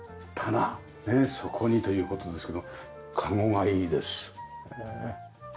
棚ねえそこにという事ですけどかごがいいですねえ。